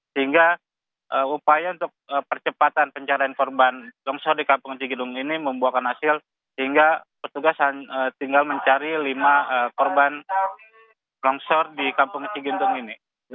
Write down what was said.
sehingga upaya untuk percepatan pencarian korban longsor di kampung cikidung ini membuahkan hasil sehingga petugas tinggal mencari lima korban longsor di kampung cigendung ini